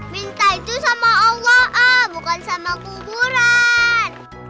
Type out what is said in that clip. minta itu sama allah ah bukan sama kuburan